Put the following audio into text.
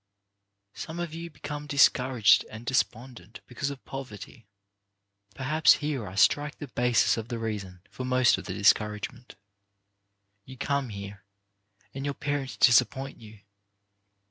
Some of you become discouraged and despon dent because of poverty. Perhaps here I strike the basis of the reason for most of the discourage ment. You come here, and your parents disap point you.